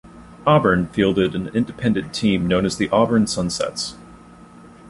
Auburn fielded an independent team known as the Auburn Sunsets.